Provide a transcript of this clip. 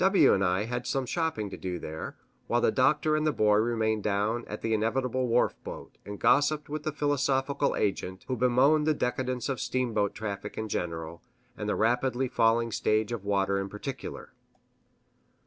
W and I had some shopping to do there, while the Doctor and the Boy remained down at the inevitable wharf boat, and gossiped with the philosophical agent, who bemoaned the decadence of steamboat traffic in general, and the rapidly falling stage of water in particular.